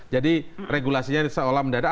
jadi regulasinya seolah mendadak